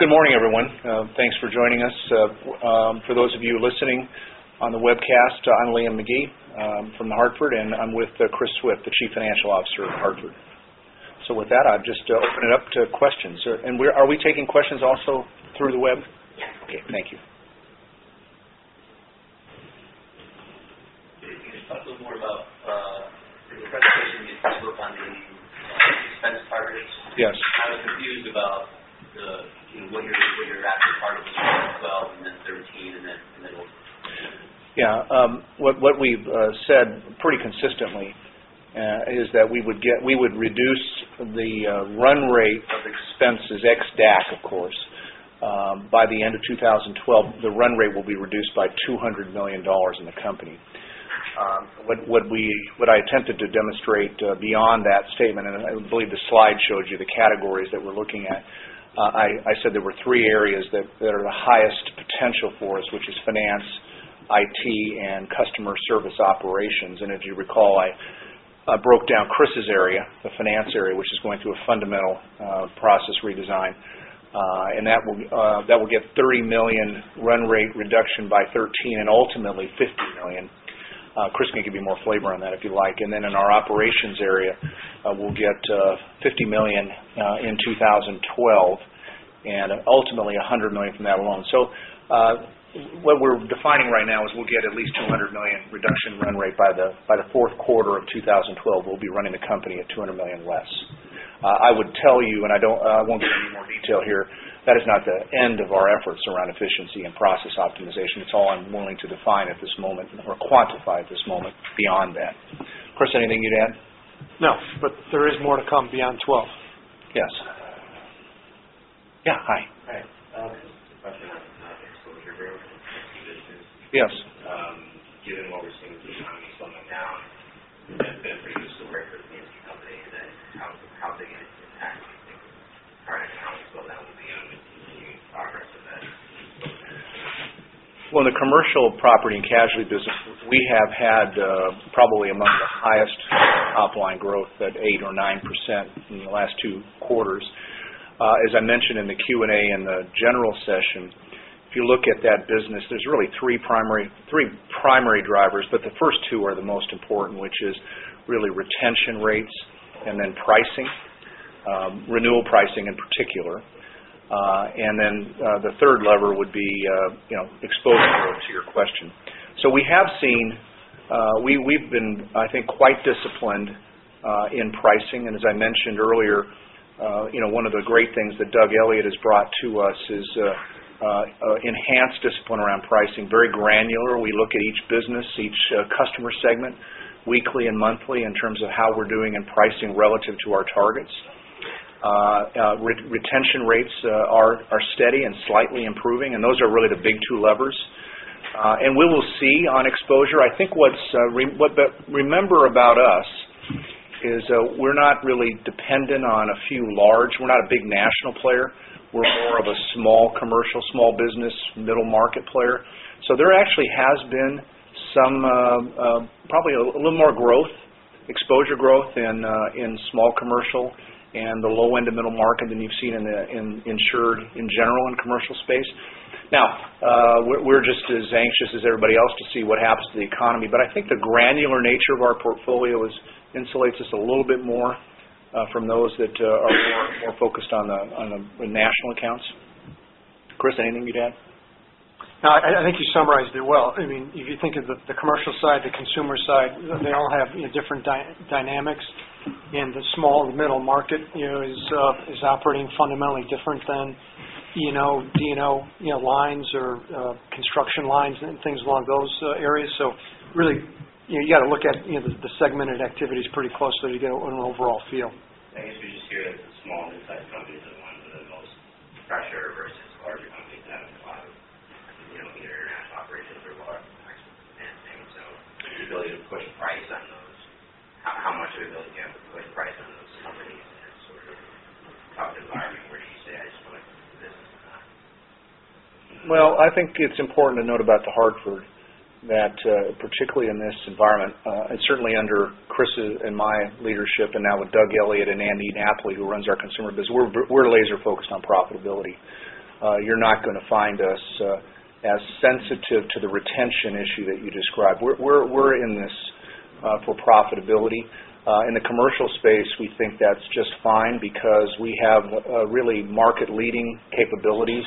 Good morning, everyone. Thanks for joining us. For those of you listening on the webcast, I'm Liam McGee from The Hartford, and I'm with Christopher Swift, the Chief Financial Officer of The Hartford. With that, I'll just open it up to questions. Are we taking questions also through the web? Yes. Okay. Thank you. Can you just talk a little more about, in the presentation, you spoke on the expense targets. Yes. I was confused about what your actual target was for 2012 and then 2013, and then what Yeah. What we've said pretty consistently is that we would reduce the run rate of expenses, ex DAC, of course. By the end of 2012, the run rate will be reduced by $200 million in the company. What I attempted to demonstrate beyond that statement, and I believe the slide showed you the categories that we're looking at, I said there were three areas that are the highest potential for us, which is finance, IT, and customer service operations. If you recall, I broke down Chris's area, the finance area, which is going through a fundamental process redesign. That will get $30 million run rate reduction by 2013 and ultimately $50 million. Chris can give you more flavor on that if you like. Then in our operations area, we'll get $50 million in 2012 and ultimately $100 million from that alone. What we're defining right now is we'll get at least $200 million reduction in run rate by the fourth quarter of 2012. We'll be running the company at $200 million less. I would tell you, and I won't get any more detail here, that is not the end of our efforts around efficiency and process optimization. It's all I'm willing to define at this moment or quantify at this moment beyond that. Chris, anything you'd add? No, there is more to come beyond 2012. Yes. Yeah, hi. Hi. Just a question on the exposure growth in the business. Yes. Given what we're seeing with the economy slowing down, has that been pretty historic for the P&C company? How big an impact do you think current economics will have on the continuing progress of that exposure? Well, in the commercial property and casualty business, we have had probably among the highest top-line growth at 8% or 9% in the last two quarters. As I mentioned in the Q&A in the general session, if you look at that business, there's really three primary drivers, but the first two are the most important, which is really retention rates and then pricing. Renewal pricing in particular. The third lever would be exposure growth, to your question. We have seen, we've been, I think, quite disciplined in pricing. As I mentioned earlier, one of the great things that Douglas Elliot has brought to us is enhanced discipline around pricing, very granular. We look at each business, each customer segment, weekly and monthly in terms of how we're doing in pricing relative to our targets. Retention rates are steady and slightly improving, and those are really the big two levers. We will see on exposure. I think what remember about us is we're not really dependent on a few. We're not a big national player. There actually has been probably a little more growth, exposure growth in Small Commercial and the low end of Middle Market than you've seen in insured in general in commercial space. Now, we're just as anxious as everybody else to see what happens to the economy. I think the granular nature of our portfolio insulates us a little bit more from those that are more focused on the national accounts. Chris, anything you'd add? No, I think you summarized it well. If you think of the commercial side, the consumer side, they all have different dynamics. The small to middle market is operating fundamentally different than lines or construction lines and things along those areas. Really, you got to look at the segmented activities pretty closely to get an overall feel. I guess we just hear that the smaller size companies are the ones with the most pressure versus larger companies that have a lot of international operations or large expense items. The ability to put price on those, how much are we going to be able to put price on those companies in a sort of tough environment where you say, "I just want business? Well, I think it's important to note about The Hartford that particularly in this environment, certainly under Chris' and my leadership and now with Douglas Elliot and Andy Napoli, who runs our Consumer Markets business, we're laser-focused on profitability. You're not going to find us as sensitive to the retention issue that you described. We're in this for profitability. In the Commercial Markets space, we think that's just fine because we have really market-leading capabilities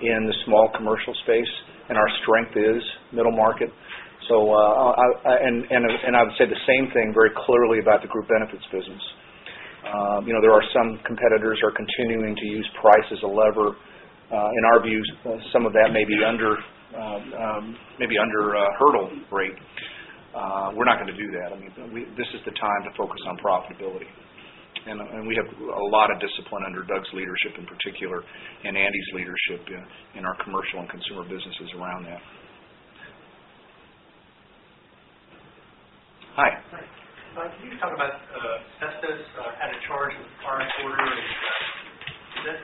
in the Small Commercial space, and our strength is Middle Market. I would say the same thing very clearly about the Group Benefits business. There are some competitors who are continuing to use price as a lever. In our views, some of that may be under hurdle rate. We're not going to do that. This is the time to focus on profitability. We have a lot of discipline under Doug's leadership in particular and Andy's leadership in our Commercial Markets and Consumer Markets businesses around that. Hi. Hi. Can you talk about asbestos had a charge in the current quarter. Is this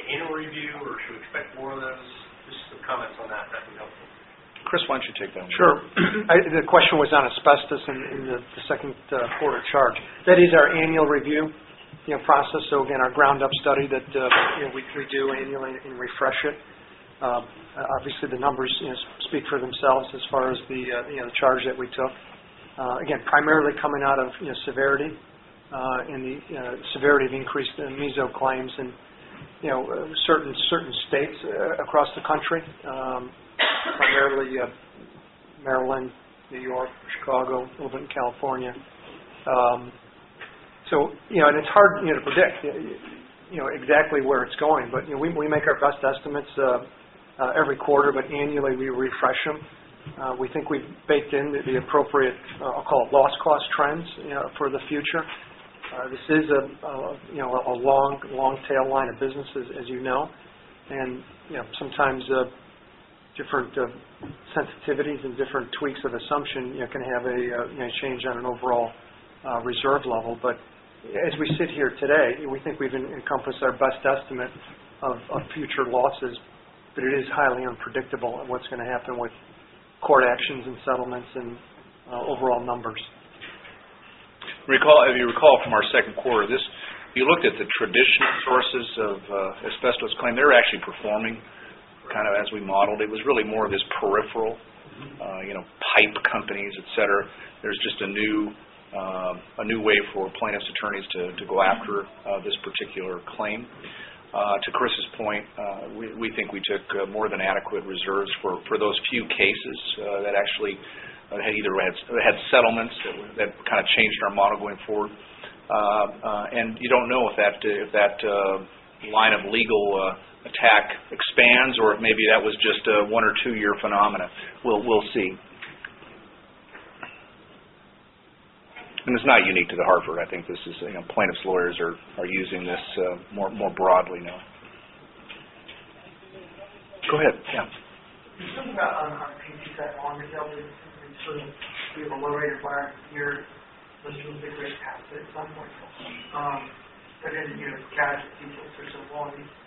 an annual review? Expect more of those? Just some comments on that'd be helpful. Chris, why don't you take that one? Sure. The question was on asbestos in the second quarter charge. That is our annual review process. Again, our ground-up study that we do annually and refresh it. Obviously, the numbers speak for themselves as far as the charge that we took. Again, primarily coming out of severity and the severity of increased mesothelioma claims in certain states across the country. Primarily Maryland, New York, Chicago, a little bit in California. It's hard to predict exactly where it's going. We make our best estimates every quarter, but annually we refresh them. We think we've baked in the appropriate, I'll call it loss cost trends for the future. This is a long tail line of business, as you know, and sometimes different sensitivities and different tweaks of assumption can have a change on an overall reserve level. As we sit here today, we think we've encompassed our best estimate of future losses. It is highly unpredictable on what's going to happen with court actions and settlements and overall numbers. If you recall from our second quarter, if you looked at the traditional sources of asbestos claim, they were actually performing kind of as we modeled. It was really more of this peripheral pipe companies, et cetera. There's just a new way for plaintiffs' attorneys to go after this particular claim. To Chris's point, we think we took more than adequate reserves for those few cases that actually either had settlements that kind of changed our model going forward. You don't know if that line of legal attack expands or if maybe that was just a one or two year phenomena. We'll see. It's not unique to The Hartford. I think plaintiffs' lawyers are using this more broadly now. Go ahead, yeah. You said you got P&C that longer tail that sort of we have a lower rate environment here, which means they could pass it at some point. Casualty pricing, particularly for some lines. Sure. A lot of it being pretty long tail casualty here for The Hartford. Keep your eye on that.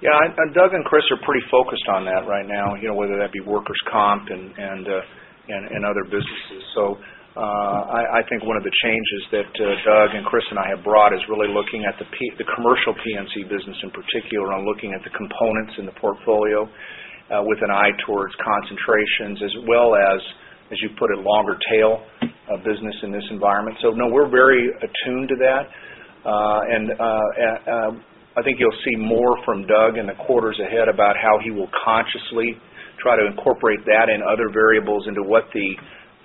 Yeah. Doug and Chris are pretty focused on that right now, whether that be workers' compensation and other businesses. I think one of the changes that Doug and Chris and I have brought is really looking at the Commercial P&C business in particular, on looking at the components in the portfolio with an eye towards concentrations as well as you put it, longer tail of business in this environment. No, we're very attuned to that. I think you'll see more from Doug in the quarters ahead about how he will consciously try to incorporate that and other variables into what the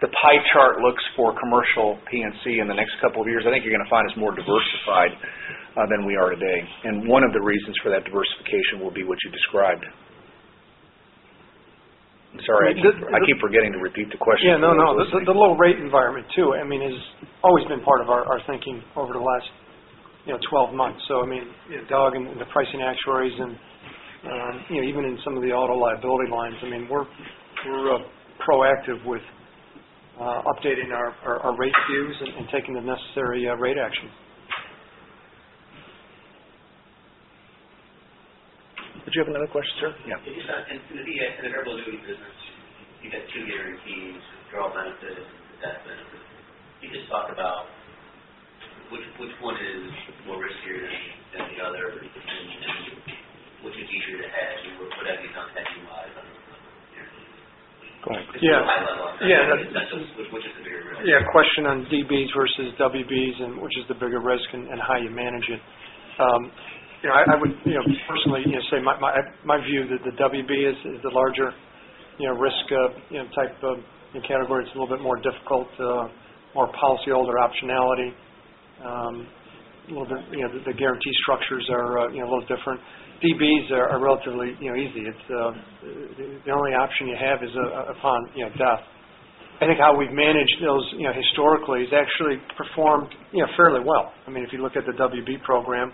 pie chart looks for Commercial P&C in the next couple of years. I think you're going to find us more diversified than we are today. One of the reasons for that diversification will be what you described. I'm sorry, I keep forgetting to repeat the question. Yeah, no. The low rate environment too, has always been part of our thinking over the last 12 months. Doug and the pricing actuaries, and even in some of the auto liability lines, we're proactive with updating our rate views and taking the necessary rate actions. Did you have another question, sir? Yeah. Just in the DB, in the variable annuity business, you got two guarantees, withdrawal benefits and death benefit. Can you just talk about which one is more riskier than the other? Which is easier to hedge, and whatever context you like on the guarantees. Go ahead. Yeah. Just high level on that. Yeah. Which is the bigger risk? Question on DBs versus WBs and which is the bigger risk and how you manage it. I would personally say my view that the WB is the larger risk type of category. It's a little bit more difficult, more policyholder optionality. The guarantee structures are a little different. DBs are relatively easy. The only option you have is upon death. I think how we've managed those historically has actually performed fairly well. If you look at the WB program,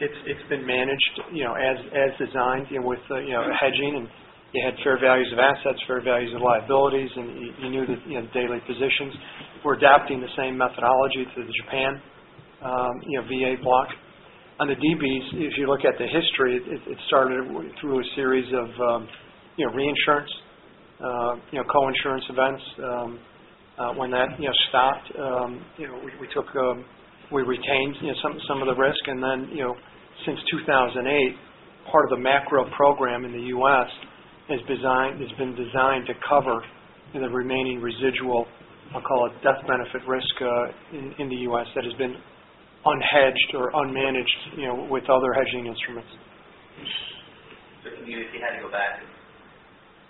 it's been managed as designed with hedging, and you had fair values of assets, fair values of liabilities, and you knew the daily positions. We're adapting the same methodology to the Japan VA block. On the DBs, if you look at the history, it started through a series of reinsurance, co-insurance events. When that stopped, we retained some of the risk, since 2008, part of the macro program in the U.S. has been designed to cover the remaining residual, I'll call it death benefit risk in the U.S. that has been unhedged or unmanaged with other hedging instruments. Can you, if you had to go back,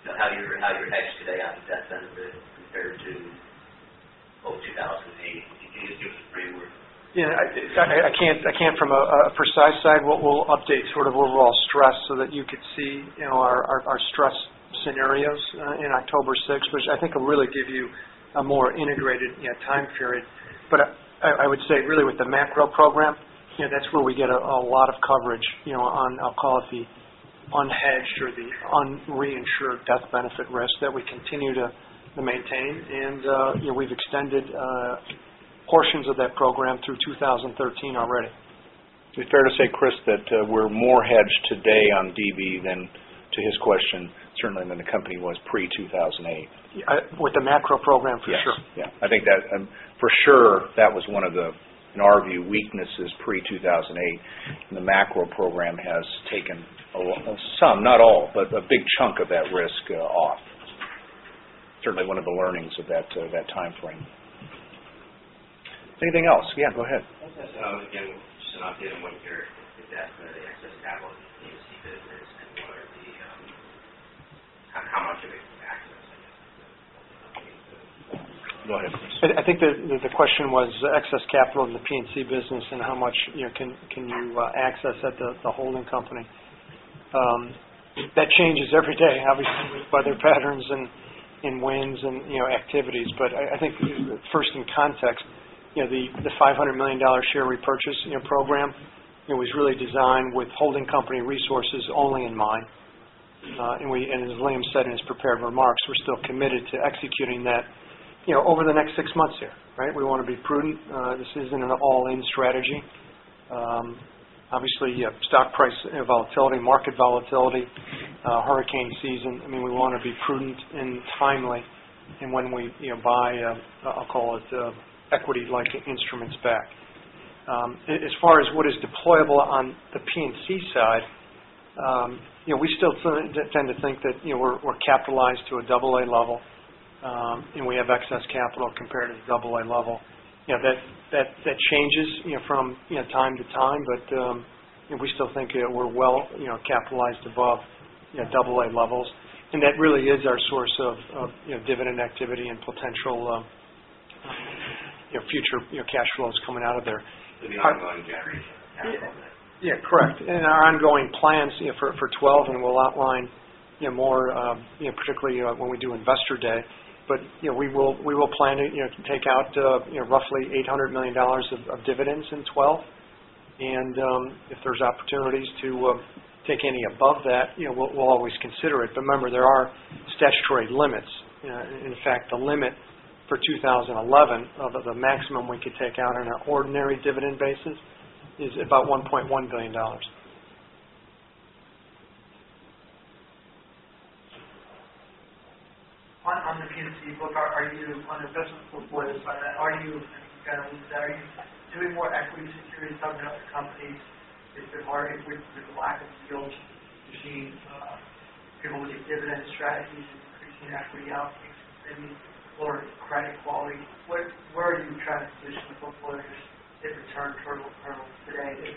how you're hedged today on death benefit compared to 2008? Can you just give us a brief word? I can't from a precise side. We'll update sort of overall stress so that you could see our stress scenarios in October 6th, which I think will really give you a more integrated time period. I would say really with the macro program, that's where we get a lot of coverage on I'll call it the unhedged or the un-reinsured death benefit risk that we continue to maintain. We've extended portions of that program through 2013 already. It'd be fair to say, Chris, that we're more hedged today on DB than, to his question, certainly than the company was pre-2008. With the macro program, for sure. Yes. For sure, that was one of the, in our view, weaknesses pre-2008, and the macro program has taken some, not all, but a big chunk of that risk off. Certainly one of the learnings of that timeframe. Anything else? Yeah, go ahead. Just an update on what your excess capital in the P&C business, and how much of it you can access, I guess? Go ahead, Chris. I think that the question was excess capital in the P&C business and how much can you access at the holding company. That changes every day, obviously, by their patterns and wins and activities. I think first in context, the $500 million share repurchase program was really designed with holding company resources only in mind. As Liam said in his prepared remarks, we're still committed to executing that over the next six months here. We want to be prudent. This isn't an all-in strategy. Obviously, you have stock price volatility, market volatility, hurricane season. We want to be prudent and timely in when we buy, I'll call it, equity-like instruments back. As far as what is deployable on the P&C side, we still tend to think that we're capitalized to a double A level, and we have excess capital compared to the double A level. That changes from time to time, but we still think we're well capitalized above double A levels. That really is our source of dividend activity and potential future cash flows coming out of there. The ongoing generation of capital then. Yeah, correct. Our ongoing plans for 2012, we'll outline more particularly when we do Investor Day. We will plan to take out roughly $800 million of dividends in 2012. If there's opportunities to take any above that, we'll always consider it. Remember, there are statutory limits. In fact, the limit for 2011 of the maximum we could take out on an ordinary dividend basis is about $1.1 billion. On the P&C book, on investment portfolios, are you doing more equity securities, something else companies, is it hard with the lack of yields, looking at dividend strategies, increasing equity holdings, maybe lower credit quality? Where are you trying to position the portfolio if return profiles today, if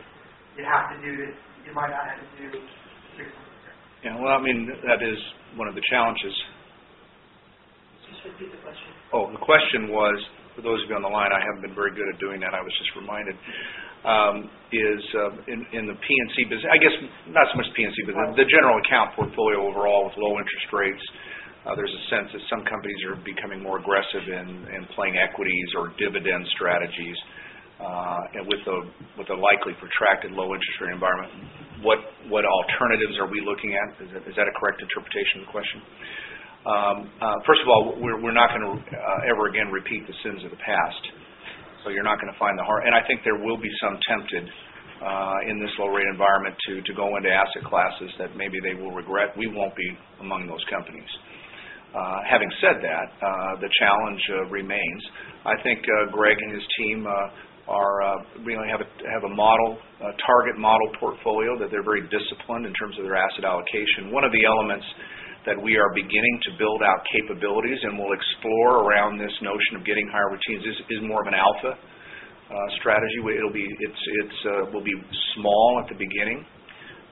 you have to do this, you might not have to do it six months ago? That is one of the challenges. Just repeat the question. The question was, for those of you on the line, I haven't been very good at doing that, I was just reminded. I guess not so much P&C, but the general account portfolio overall with low interest rates, there's a sense that some companies are becoming more aggressive in playing equities or dividend strategies, and with the likely protracted low interest rate environment, what alternatives are we looking at? Is that a correct interpretation of the question? First of all, we're not going to ever again repeat the sins of the past. I think there will be some tempted in this low rate environment to go into asset classes that maybe they will regret. We won't be among those companies. Having said that, the challenge remains. I think Greg and his team have a target model portfolio that they're very disciplined in terms of their asset allocation. One of the elements that we are beginning to build out capabilities and we'll explore around this notion of getting higher returns is more of an alpha strategy, where it will be small at the beginning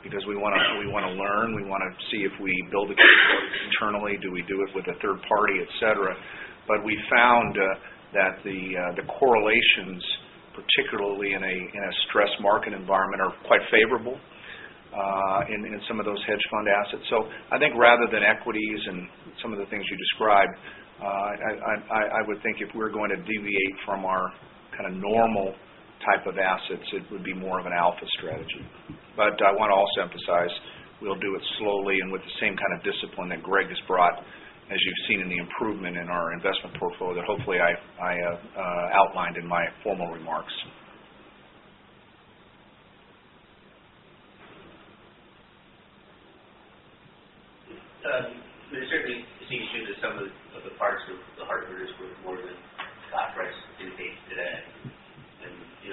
because we want to learn, we want to see if we build internally, do we do it with a third party, et cetera. We found that the correlations, particularly in a stressed market environment, are quite favorable in some of those hedge fund assets. I think rather than equities and some of the things you described, I would think if we're going to deviate from our kind of normal type of assets, it would be more of an alpha strategy. I want to also emphasize we'll do it slowly and with the same kind of discipline that Greg has brought, as you've seen in the improvement in our investment portfolio that hopefully I outlined in my formal remarks. There certainly seems to be that sum of the parts of The Hartford is worth more than stock price indicates today.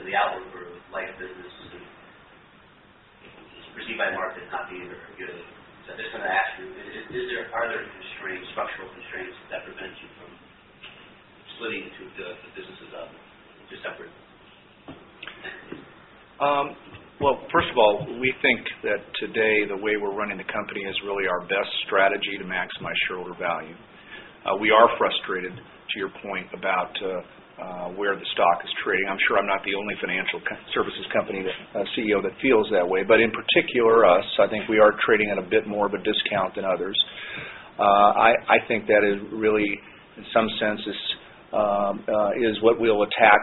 The outlook for life businesses is perceived by market as not being very good. I'm just going to ask you, are there structural constraints that prevent you from splitting the businesses up into separate? Well, first of all, we think that today the way we're running the company is really our best strategy to maximize shareholder value. We are frustrated, to your point, about where the stock is trading. I'm sure I'm not the only financial services company CEO that feels that way. In particular us, I think we are trading at a bit more of a discount than others. I think that is really, in some sense, is what we'll attack,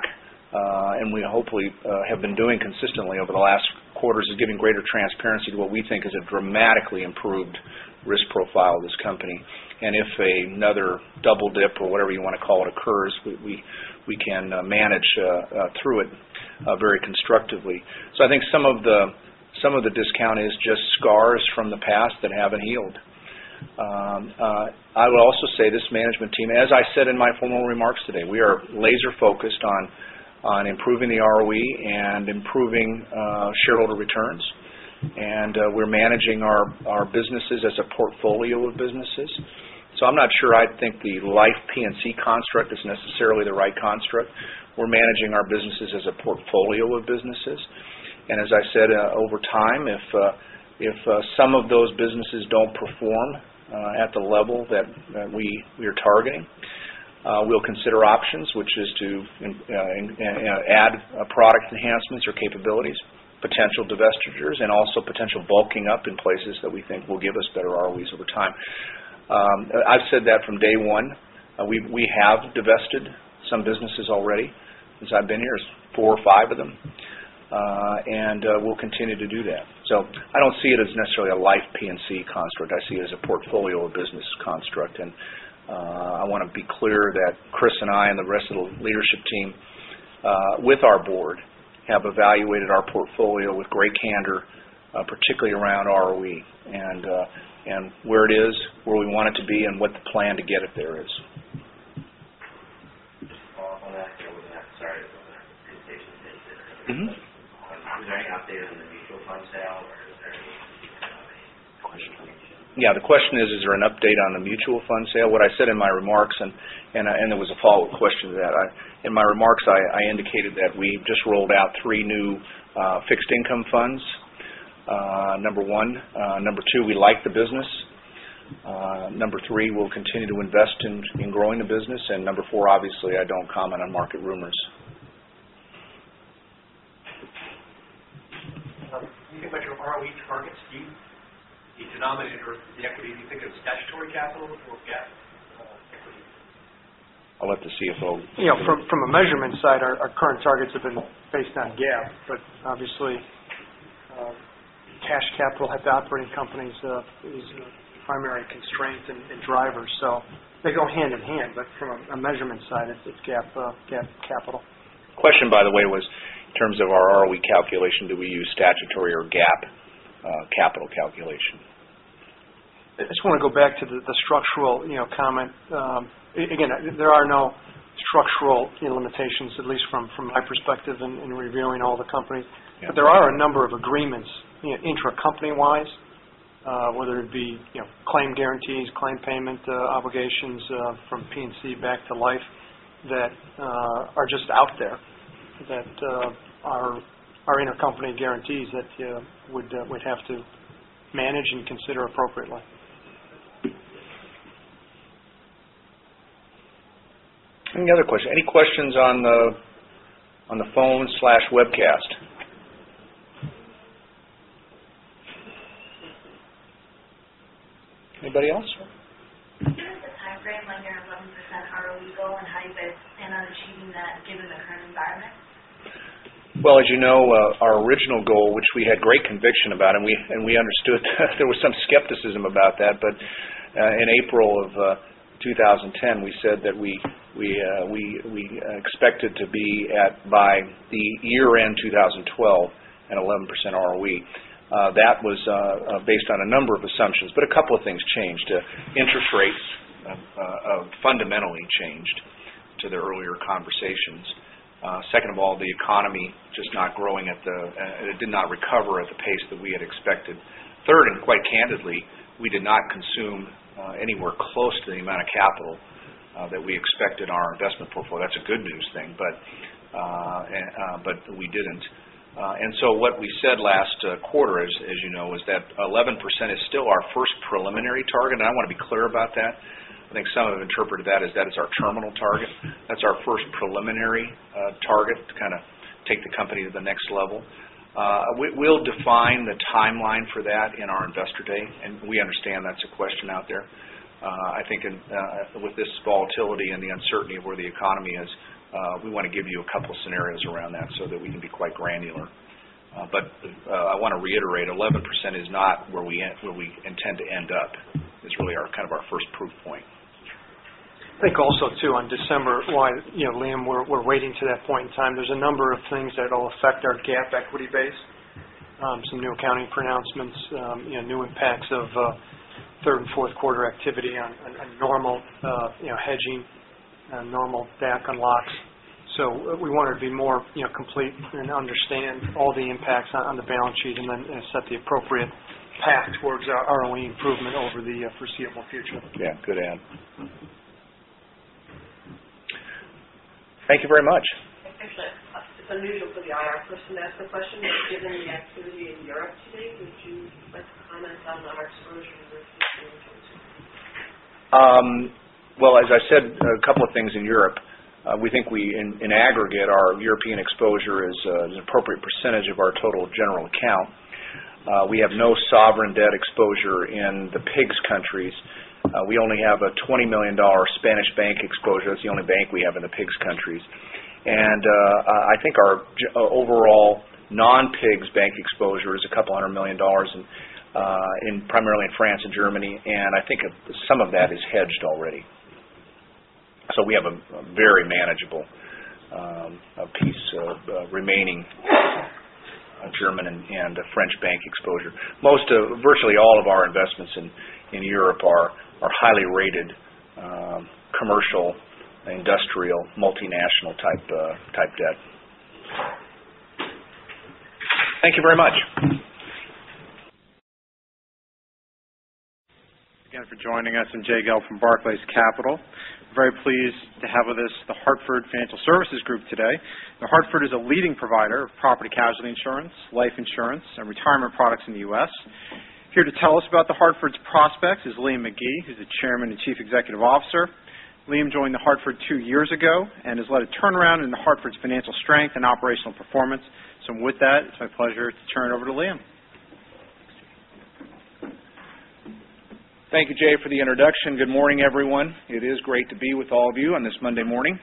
and we hopefully have been doing consistently over the last quarters, is giving greater transparency to what we think is a dramatically improved risk profile of this company. If another double dip, or whatever you want to call it, occurs, we can manage through it very constructively. I think some of the discount is just scars from the past that haven't healed. I would also say this management team, as I said in my formal remarks today, we are laser focused on improving the ROE and improving shareholder returns. We're managing our businesses as a portfolio of businesses. I'm not sure I think the Life P&C construct is necessarily the right construct. We're managing our businesses as a portfolio of businesses. As I said, over time, if some of those businesses don't perform at the level that we are targeting, we'll consider options, which is to add product enhancements or capabilities, potential divestitures, and also potential bulking up in places that we think will give us better ROEs over time. I've said that from day one. We have divested some businesses already since I've been here, four or five of them. We'll continue to do that. I don't see it as necessarily a Life P&C construct. I see it as a portfolio of business construct. I want to be clear that Chris and I, and the rest of the leadership team, with our board, have evaluated our portfolio with great candor, particularly around ROE, and where it is, where we want it to be, and what the plan to get it there is. Just to follow up on that, sorry. I was on that presentation page there. Is there any update on the mutual fund sale, or is there any potential? Yeah. The question is there an update on the mutual fund sale? What I said in my remarks, and it was a follow-up question to that. In my remarks, I indicated that we just rolled out three new fixed income funds, number one. Number two, we like the business. Number three, we'll continue to invest in growing the business. Number four, obviously, I don't comment on market rumors. When you think about your ROE targets, the denominator of the equity, do you think of statutory capital or GAAP equity? I'll let the CFO take that. From a measurement side, our current targets have been based on GAAP, obviously, cash capital at the operating companies is a primary constraint and driver. They go hand in hand. From a measurement side, it's GAAP capital. The question, by the way, was in terms of our ROE calculation, do we use statutory or GAAP capital calculation? I just want to go back to the structural comment. Again, there are no structural limitations, at least from my perspective in reviewing all the companies. There are a number of agreements intra-company-wise, whether it be claim guarantees, claim payment obligations from P&C back to Life that are just out there that are intercompany guarantees that we'd have to manage and consider appropriately. Any other question? Any questions on the phone/webcast? Anybody else? Give us a timeframe on your 11% ROE goal, how you guys plan on achieving that given the current environment. Well, as you know, our original goal, which we had great conviction about, we understood that there was some skepticism about that, in April of 2010, we said that we expected to be at, by the year-end 2012, an 11% ROE. That was based on a number of assumptions, a couple of things changed. Interest rates fundamentally changed to the earlier conversations. Second of all, the economy just did not recover at the pace that we had expected. Third, quite candidly, we did not consume anywhere close to the amount of capital that we expect in our investment portfolio. That's a good news thing, we didn't. What we said last quarter, as you know, is that 11% is still our first preliminary target, I want to be clear about that. I think some have interpreted that as that is our terminal target. That's our first preliminary target to kind of take the company to the next level. We'll define the timeline for that in our Investor Day, we understand that's a question out there. I think with this volatility and the uncertainty of where the economy is, we want to give you a couple of scenarios around that so that we can be quite granular. I want to reiterate, 11% is not where we intend to end up. It's really kind of our first proof point. I think also, too, on December, why Liam, we're waiting to that point in time. There's a number of things that'll affect our GAAP equity base. Some new accounting pronouncements, new impacts of third and fourth quarter activity on normal hedging, on normal DAC unlocks. We wanted to be more complete and understand all the impacts on the balance sheet, set the appropriate path towards our ROE improvement over the foreseeable future. Yeah. Good add. Thank you very much. Thanks. It's unusual for the IR person to ask the question, but given the activity in Europe today, would you like to comment on our exposure to Italy and Spain? Well, as I said, a couple of things in Europe. We think in aggregate, our European exposure is an appropriate percentage of our total general account. We have no sovereign debt exposure in the PIIGS countries. We only have a $20 million Spanish bank exposure. That's the only bank we have in the PIIGS countries. I think our overall non-PIIGS bank exposure is $200 million primarily in France and Germany, and I think some of that is hedged already. We have a very manageable piece of remaining German and French bank exposure. Virtually all of our investments in Europe are highly rated commercial, industrial, multinational type debt. Thank you very much. Thank you again for joining us. I'm Jay Gelb from Barclays Capital. Very pleased to have with us The Hartford Financial Services Group today. The Hartford is a leading provider of property casualty insurance, life insurance, and retirement products in the U.S. Here to tell us about The Hartford's prospects is Liam McGee, who's the Chairman and Chief Executive Officer. Liam joined The Hartford two years ago and has led a turnaround in The Hartford's financial strength and operational performance. With that, it's my pleasure to turn it over to Liam. Thank you, Jay, for the introduction. Good morning, everyone. It is great to be with all of you on this Monday morning.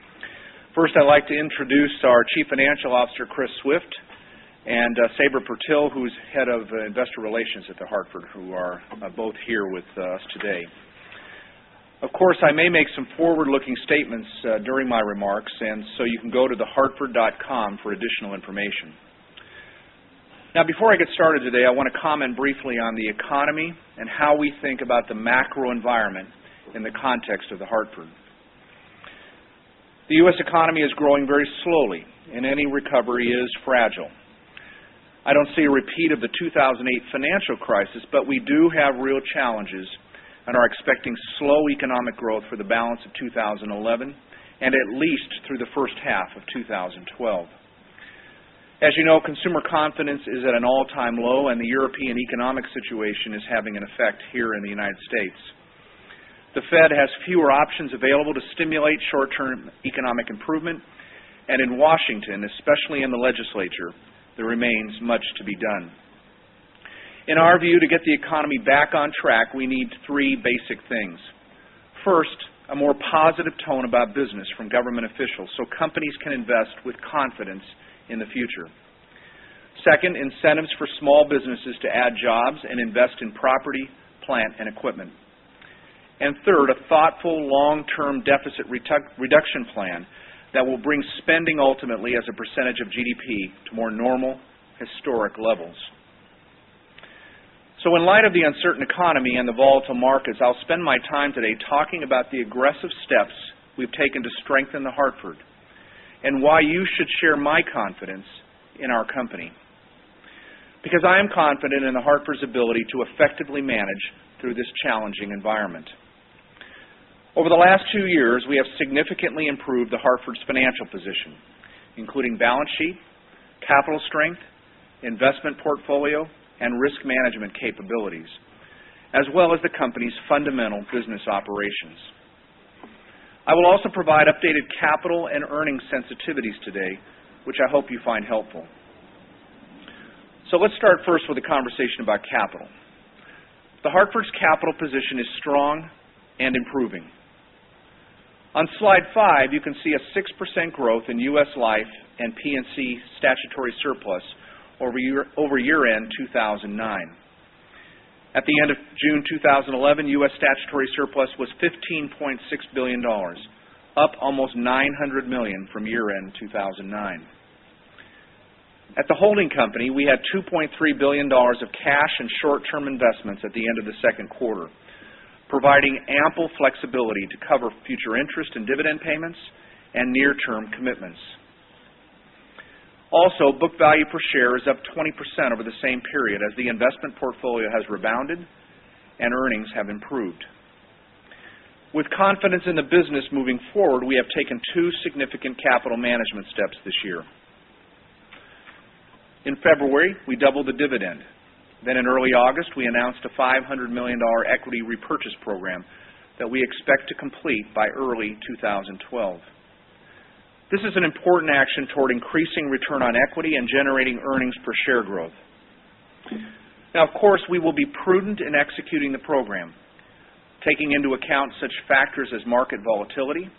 First, I'd like to introduce our chief financial officer, Chris Swift, and Sabra Purtill, who's head of investor relations at The Hartford, who are both here with us today. Of course, I may make some forward-looking statements during my remarks. You can go to thehartford.com for additional information. Before I get started today, I want to comment briefly on the economy and how we think about the macro environment in the context of The Hartford. The U.S. economy is growing very slowly and any recovery is fragile. I don't see a repeat of the 2008 financial crisis. We do have real challenges and are expecting slow economic growth for the balance of 2011, at least through the first half of 2012. As you know, consumer confidence is at an all-time low. The European economic situation is having an effect here in the United States. The Fed has fewer options available to stimulate short-term economic improvement. In Washington, especially in the legislature, there remains much to be done. In our view, to get the economy back on track, we need three basic things. First, a more positive tone about business from government officials so companies can invest with confidence in the future. Second, incentives for small businesses to add jobs and invest in property, plant, and equipment. Third, a thoughtful long-term deficit reduction plan that will bring spending ultimately as a percentage of GDP to more normal historic levels. In light of the uncertain economy and the volatile markets, I'll spend my time today talking about the aggressive steps we've taken to strengthen The Hartford, why you should share my confidence in our company. I am confident in The Hartford's ability to effectively manage through this challenging environment. Over the last two years, we have significantly improved The Hartford's financial position, including balance sheet, capital strength, investment portfolio, and risk management capabilities, as well as the company's fundamental business operations. I will also provide updated capital and earnings sensitivities today, which I hope you find helpful. Let's start first with a conversation about capital. The Hartford's capital position is strong and improving. On slide five, you can see a 6% growth in U.S. Life and P&C statutory surplus over year-end 2009. At the end of June 2011, U.S. statutory surplus was $15.6 billion, up almost $900 million from year-end 2009. At the holding company, we had $2.3 billion of cash and short-term investments at the end of the second quarter, providing ample flexibility to cover future interest and dividend payments and near-term commitments. Book value per share is up 20% over the same period as the investment portfolio has rebounded and earnings have improved. With confidence in the business moving forward, we have taken two significant capital management steps this year. In February, we doubled the dividend. In early August, we announced a $500 million equity repurchase program that we expect to complete by early 2012. This is an important action toward increasing return on equity and generating earnings per share growth. Of course, we will be prudent in executing the program, taking into account such factors as market volatility,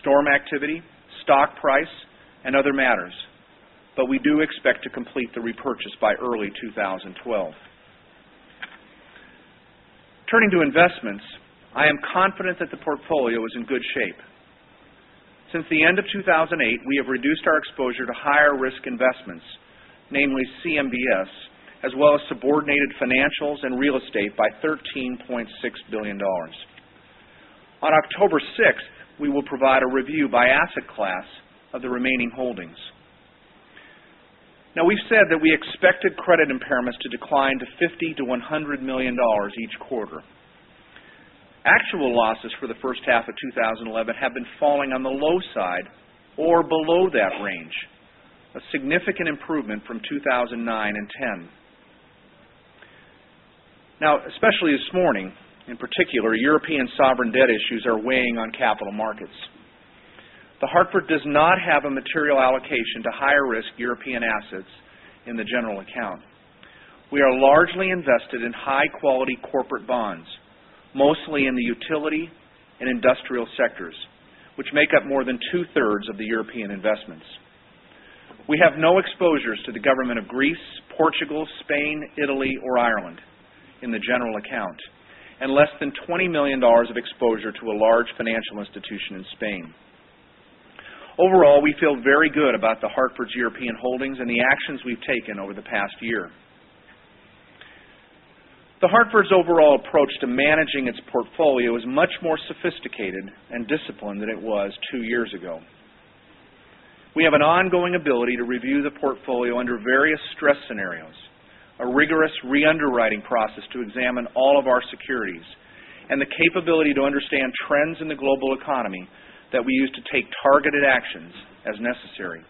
storm activity, stock price, and other matters. We do expect to complete the repurchase by early 2012. Turning to investments, I am confident that the portfolio is in good shape. Since the end of 2008, we have reduced our exposure to higher-risk investments, namely CMBS, as well as subordinated financials and real estate by $13.6 billion. On October 6th, we will provide a review by asset class of the remaining holdings. We've said that we expected credit impairments to decline to $50 million-$100 million each quarter. Actual losses for the first half of 2011 have been falling on the low side or below that range, a significant improvement from 2009 and 2010. Especially this morning, in particular, European sovereign debt issues are weighing on capital markets. The Hartford does not have a material allocation to higher-risk European assets in the general account. We are largely invested in high-quality corporate bonds, mostly in the utility and industrial sectors, which make up more than two-thirds of the European investments. We have no exposures to the government of Greece, Portugal, Spain, Italy, or Ireland in the general account, and less than $20 million of exposure to a large financial institution in Spain. Overall, we feel very good about The Hartford's European holdings and the actions we've taken over the past year. The Hartford's overall approach to managing its portfolio is much more sophisticated and disciplined than it was two years ago. We have an ongoing ability to review the portfolio under various stress scenarios, a rigorous re-underwriting process to examine all of our securities, and the capability to understand trends in the global economy that we use to take targeted actions as necessary.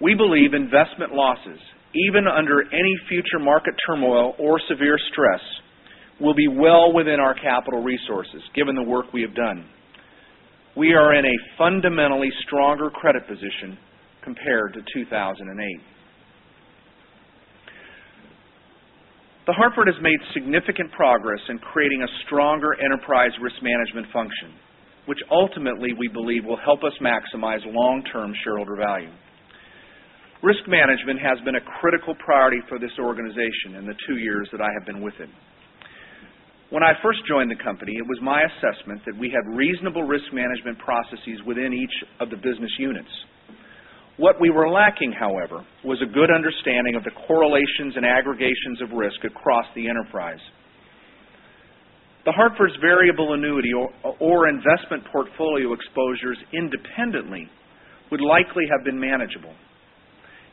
We believe investment losses, even under any future market turmoil or severe stress, will be well within our capital resources, given the work we have done. We are in a fundamentally stronger credit position compared to 2008. The Hartford has made significant progress in creating a stronger enterprise risk management function, which ultimately, we believe, will help us maximize long-term shareholder value. Risk management has been a critical priority for this organization in the two years that I have been with it. When I first joined the company, it was my assessment that we had reasonable risk management processes within each of the business units. What we were lacking, however, was a good understanding of the correlations and aggregations of risk across the enterprise. The Hartford's variable annuity or investment portfolio exposures independently would likely have been manageable.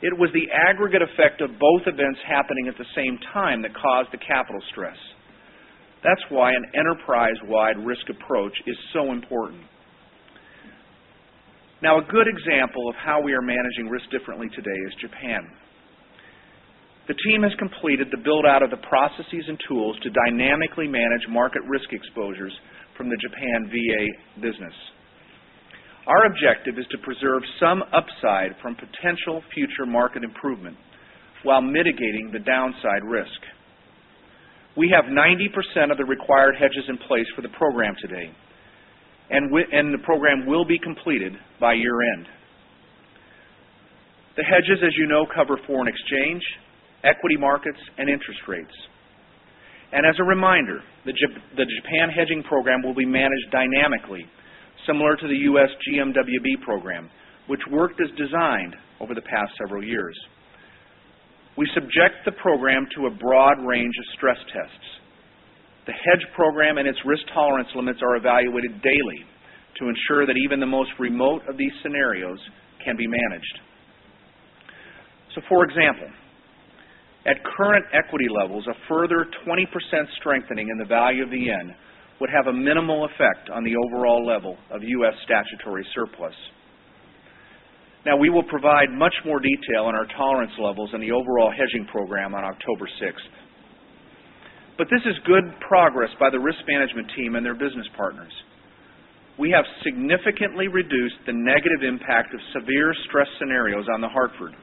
It was the aggregate effect of both events happening at the same time that caused the capital stress. That's why an enterprise-wide risk approach is so important. A good example of how we are managing risk differently today is Japan. The team has completed the build-out of the processes and tools to dynamically manage market risk exposures from the Japan VA business. Our objective is to preserve some upside from potential future market improvement while mitigating the downside risk. We have 90% of the required hedges in place for the program today, and the program will be completed by year-end. The hedges, as you know, cover foreign exchange, equity markets, and interest rates. As a reminder, the Japan hedging program will be managed dynamically, similar to the U.S. GMWB program, which worked as designed over the past several years. We subject the program to a broad range of stress tests. The hedge program and its risk tolerance limits are evaluated daily to ensure that even the most remote of these scenarios can be managed. For example, at current equity levels, a further 20% strengthening in the value of the yen would have a minimal effect on the overall level of U.S. statutory surplus. We will provide much more detail on our tolerance levels and the overall hedging program on October 6th. This is good progress by the risk management team and their business partners. We have significantly reduced the negative impact of severe stress scenarios on The Hartford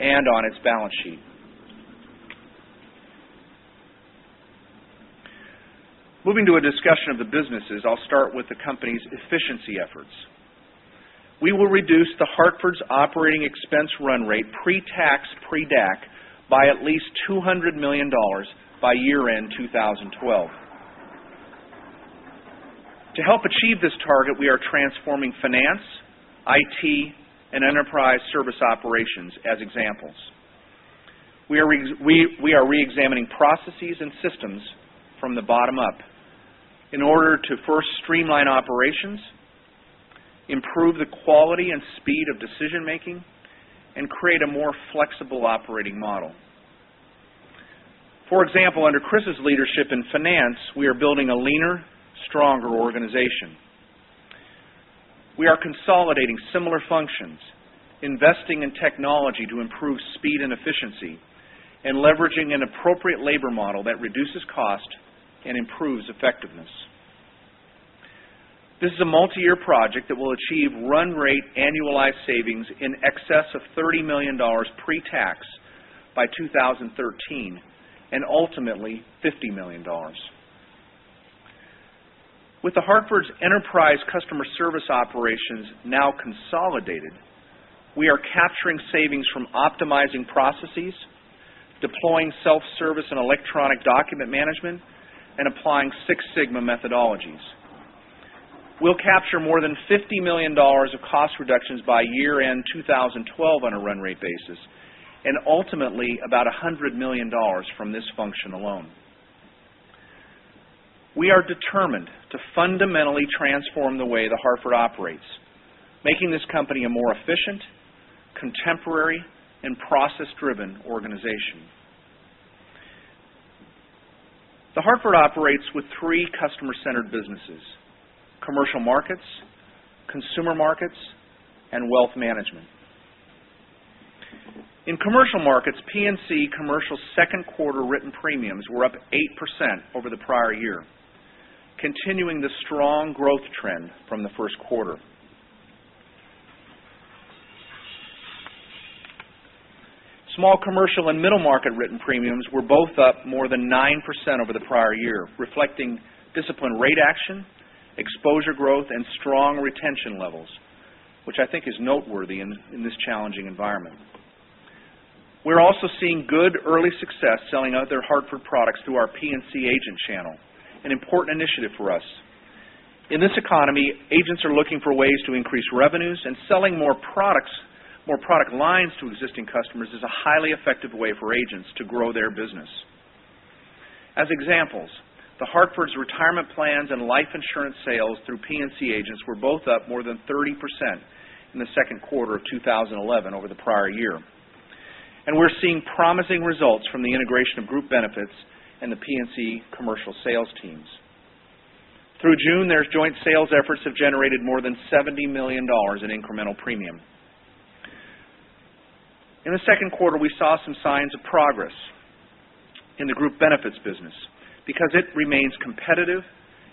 and on its balance sheet. Moving to a discussion of the businesses, I'll start with the company's efficiency efforts. We will reduce The Hartford's operating expense run rate pre-tax, pre-DAC by at least $200 million by year-end 2012. To help achieve this target, we are transforming finance, IT, and enterprise service operations as examples. We are reexamining processes and systems from the bottom up in order to first streamline operations, improve the quality and speed of decision-making, and create a more flexible operating model. For example, under Chris's leadership in finance, we are building a leaner, stronger organization. We are consolidating similar functions, investing in technology to improve speed and efficiency, and leveraging an appropriate labor model that reduces cost and improves effectiveness. This is a multi-year project that will achieve run rate annualized savings in excess of $30 million pre-tax by 2013, and ultimately $50 million. With The Hartford's enterprise customer service operations now consolidated, we are capturing savings from optimizing processes, deploying self-service and electronic document management, and applying Six Sigma methodologies. We'll capture more than $50 million of cost reductions by year-end 2012 on a run-rate basis, and ultimately about $100 million from this function alone. We are determined to fundamentally transform the way The Hartford operates, making this company a more efficient, contemporary, and process-driven organization. The Hartford operates with three customer-centered businesses: Commercial Markets, Consumer Markets, and Wealth Management. In Commercial Markets, P&C Commercial's second quarter written premiums were up 8% over the prior year, continuing the strong growth trend from the first quarter. Small Commercial and Middle Market written premiums were both up more than 9% over the prior year, reflecting disciplined rate action, exposure growth, and strong retention levels, which I think is noteworthy in this challenging environment. We're also seeing good early success selling other Hartford products through our P&C agent channel, an important initiative for us. In this economy, agents are looking for ways to increase revenues, and selling more product lines to existing customers is a highly effective way for agents to grow their business. As examples, The Hartford's retirement plans and life insurance sales through P&C agents were both up more than 30% in the second quarter of 2011 over the prior year. We're seeing promising results from the integration of Group Benefits and the P&C Commercial sales teams. Through June, their joint sales efforts have generated more than $70 million in incremental premium. In the second quarter, we saw some signs of progress in the Group Benefits business because it remains competitive,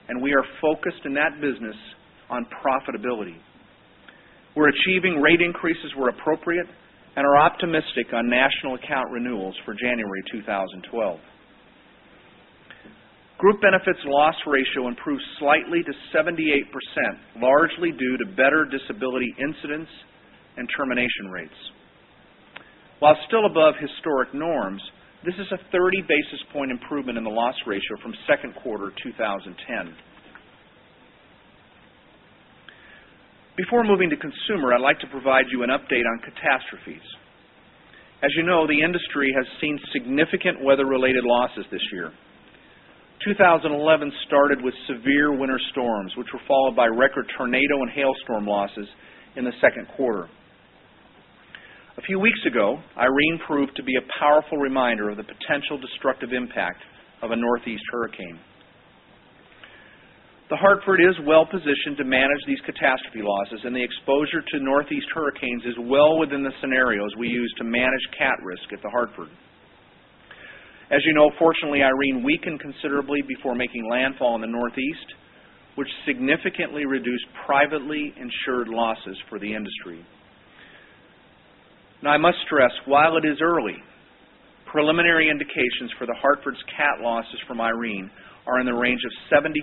and we are focused in that business on profitability. We're achieving rate increases where appropriate and are optimistic on national account renewals for January 2012. Group Benefits loss ratio improved slightly to 78%, largely due to better disability incidents and termination rates. While still above historic norms, this is a 30-basis point improvement in the loss ratio from second quarter 2010. Before moving to Consumer Markets, I'd like to provide you an update on catastrophes. As you know, the industry has seen significant weather-related losses this year. 2011 started with severe winter storms, which were followed by record tornado and hailstorm losses in the second quarter. A few weeks ago, Irene proved to be a powerful reminder of the potential destructive impact of a Northeast hurricane. The Hartford is well-positioned to manage these catastrophe losses, and the exposure to Northeast hurricanes is well within the scenarios we use to manage cat risk at The Hartford. I must stress, while it is early, preliminary indications for The Hartford's cat losses from Irene are in the range of $75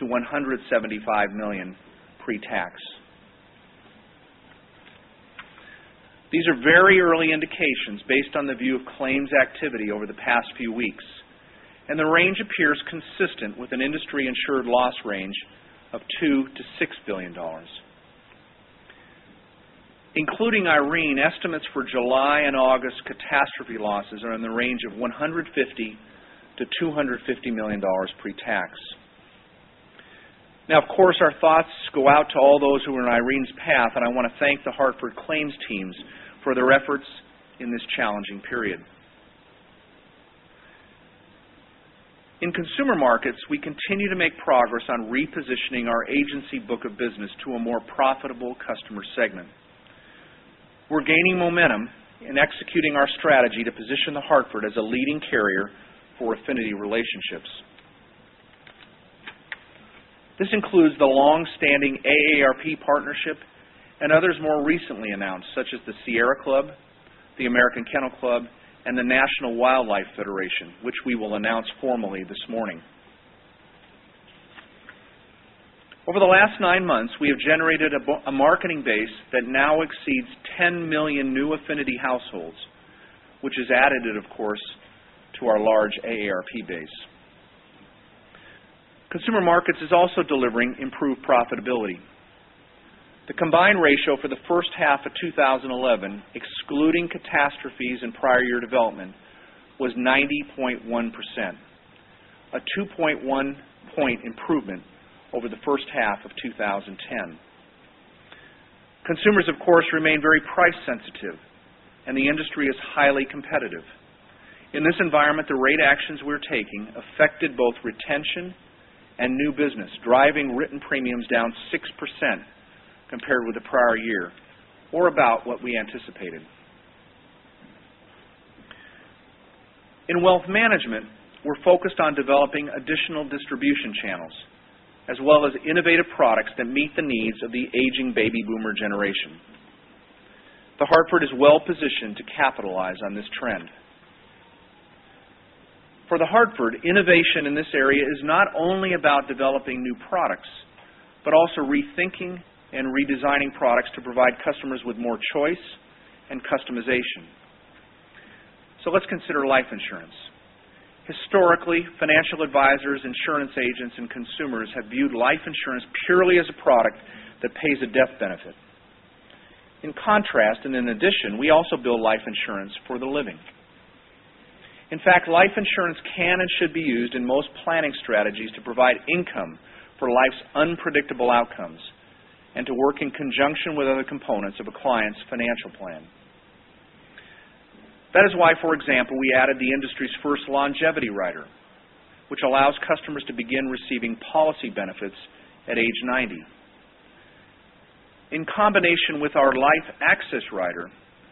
million-$175 million pre-tax. These are very early indications based on the view of claims activity over the past few weeks, and the range appears consistent with an industry insured loss range of $2 billion-$6 billion. Including Irene, estimates for July and August catastrophe losses are in the range of $150 million-$250 million pre-tax. Of course, our thoughts go out to all those who were in Irene's path, and I want to thank The Hartford claims teams for their efforts in this challenging period. In Consumer Markets, we continue to make progress on repositioning our agency book of business to a more profitable customer segment. We're gaining momentum in executing our strategy to position The Hartford as a leading carrier for affinity relationships. This includes the longstanding AARP partnership and others more recently announced, such as the Sierra Club, the American Kennel Club, and the National Wildlife Federation, which we will announce formally this morning. Over the last nine months, we have generated a marketing base that now exceeds 10 million new affinity households, which is added, of course, to our large AARP base. Consumer Markets is also delivering improved profitability. The combined ratio for the first half of 2011, excluding catastrophes and prior year development, was 90.1%, a 2.1 point improvement over the first half of 2010. Consumers, of course, remain very price sensitive, and the industry is highly competitive. In this environment, the rate actions we're taking affected both retention and new business, driving written premiums down 6% compared with the prior year or about what we anticipated. In Wealth Management, we're focused on developing additional distribution channels as well as innovative products that meet the needs of the aging baby boomer generation. The Hartford is well positioned to capitalize on this trend. For The Hartford, innovation in this area is not only about developing new products, but also rethinking and redesigning products to provide customers with more choice and customization. Let's consider life insurance. Historically, financial advisors, insurance agents, and consumers have viewed life insurance purely as a product that pays a death benefit. In contrast and in addition, we also build life insurance for the living. Life insurance can and should be used in most planning strategies to provide income for life's unpredictable outcomes and to work in conjunction with other components of a client's financial plan. That is why, for example, we added the industry's first longevity rider, which allows customers to begin receiving policy benefits at age 90. In combination with our LifeAccess Rider,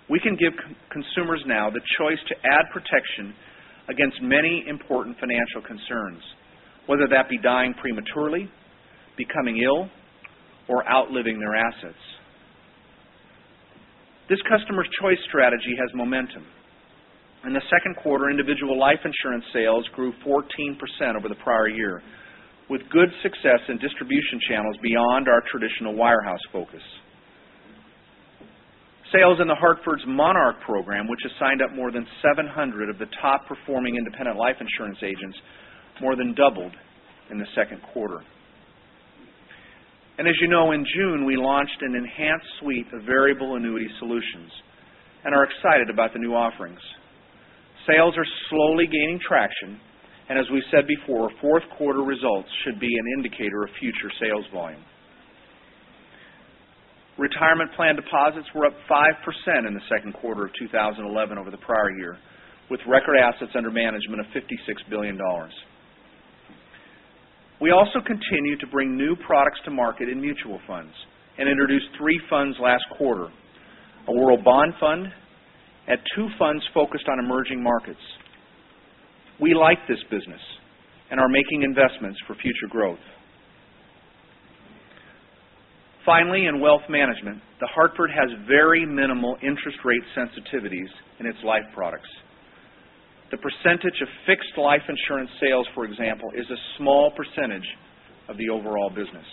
we can give consumers now the choice to add protection against many important financial concerns, whether that be dying prematurely, becoming ill, or outliving their assets. This customer's choice strategy has momentum. In the second quarter, individual life insurance sales grew 14% over the prior year, with good success in distribution channels beyond our traditional wire house focus. Sales in The Hartford's Monarch program, which has signed up more than 700 of the top-performing independent life insurance agents, more than doubled in the second quarter. As you know, in June, we launched an enhanced suite of variable annuity solutions and are excited about the new offerings. Sales are slowly gaining traction, and as we said before, fourth quarter results should be an indicator of future sales volume. Retirement plan deposits were up 5% in the second quarter of 2011 over the prior year, with record assets under management of $56 billion. We also continue to bring new products to market in mutual funds and introduced three funds last quarter, a Hartford World Bond Fund and two funds focused on emerging markets. We like this business and are making investments for future growth. Finally, in Wealth Management, The Hartford has very minimal interest rate sensitivities in its life products. The percentage of fixed life insurance sales, for example, is a small percentage of the overall business.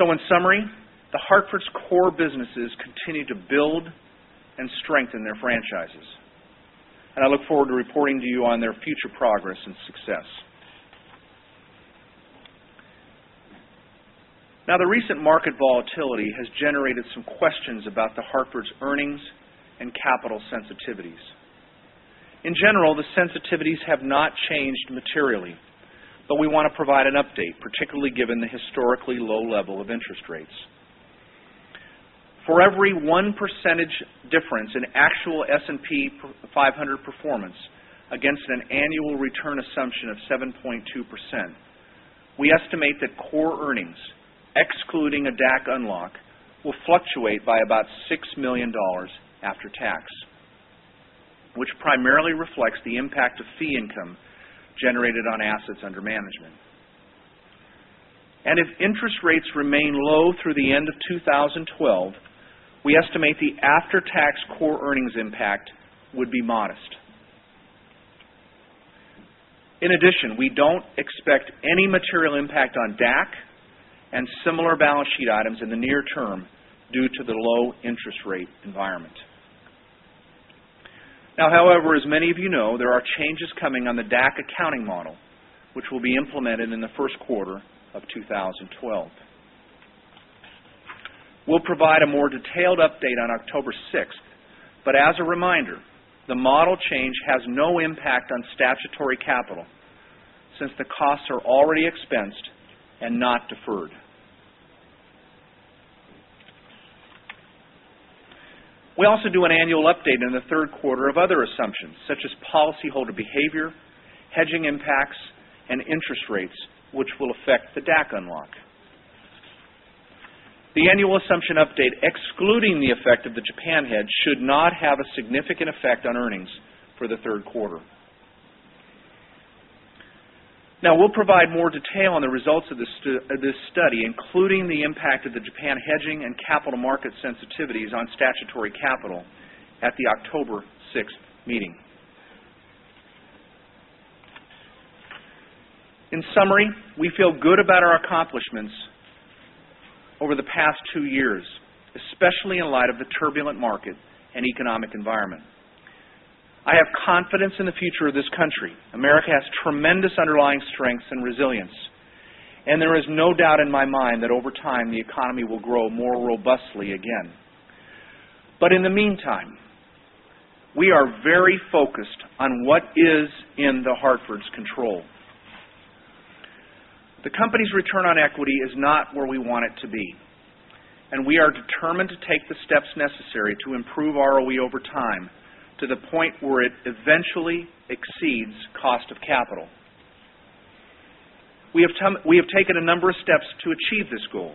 In summary, The Hartford's core businesses continue to build and strengthen their franchises, and I look forward to reporting to you on their future progress and success. Now, the recent market volatility has generated some questions about The Hartford's earnings and capital sensitivities. In general, the sensitivities have not changed materially, but we want to provide an update, particularly given the historically low level of interest rates. For every one percentage difference in actual S&P 500 performance against an annual return assumption of 7.2%, we estimate that core earnings, excluding a DAC unlock, will fluctuate by about $6 million after tax, which primarily reflects the impact of fee income generated on assets under management. If interest rates remain low through the end of 2012, we estimate the after-tax core earnings impact would be modest. In addition, we don't expect any material impact on DAC and similar balance sheet items in the near term due to the low interest rate environment. Now, however, as many of you know, there are changes coming on the DAC accounting model, which will be implemented in the first quarter of 2012. We'll provide a more detailed update on October 6th, but as a reminder, the model change has no impact on statutory capital, since the costs are already expensed and not deferred. We also do an annual update in the third quarter of other assumptions, such as policyholder behavior, hedging impacts, and interest rates, which will affect the DAC unlock. The annual assumption update, excluding the effect of the Japan hedge, should not have a significant effect on earnings for the third quarter. We'll provide more detail on the results of this study, including the impact of the Japan hedging and capital market sensitivities on statutory capital at the October 6th meeting. In summary, we feel good about our accomplishments over the past two years, especially in light of the turbulent market and economic environment. I have confidence in the future of this country. America has tremendous underlying strength and resilience, and there is no doubt in my mind that over time the economy will grow more robustly again. In the meantime, we are very focused on what is in The Hartford's control. The company's return on equity is not where we want it to be, and we are determined to take the steps necessary to improve ROE over time to the point where it eventually exceeds cost of capital. We have taken a number of steps to achieve this goal,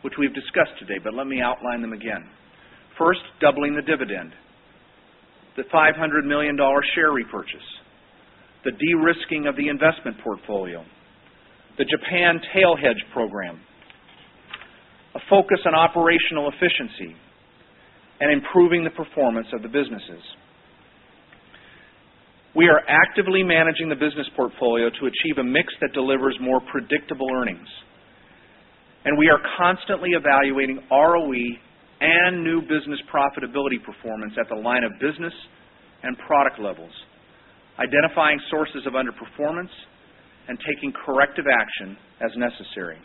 which we've discussed today, let me outline them again. First, doubling the dividend, the $500 million share repurchase, the de-risking of the investment portfolio, the Japan tail hedge program, a focus on operational efficiency, and improving the performance of the businesses. We are actively managing the business portfolio to achieve a mix that delivers more predictable earnings, and we are constantly evaluating ROE and new business profitability performance at the line of business and product levels, identifying sources of underperformance, and taking corrective action as necessary.